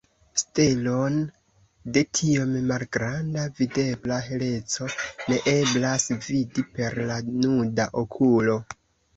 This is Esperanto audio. Stelon de tiom malgranda videbla heleco ne eblas vidi per la nuda okulo.